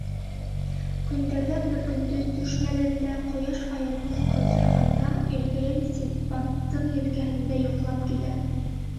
Көндәрҙән бер көндө, төш мәлендә, ҡояш аяуһыҙ ҡыҙҙырғанда, иргәйел Синдбадтың елкәһендә йоҡлап китә.